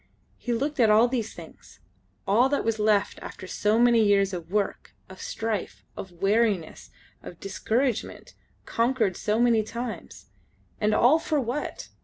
He looked at all these things, all that was left after so many years of work, of strife, of weariness, of discouragement, conquered so many times. And all for what?